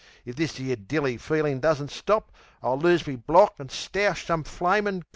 If this 'ere dilly feelin' doesn't stop I'll lose me block an' stoush some flamin' cop!